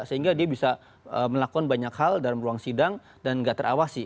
sehingga dia bisa melakukan banyak hal dalam ruang sidang dan nggak terawasi